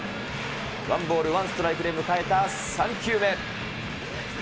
ワンボール、ワンストライクで迎えた３球目。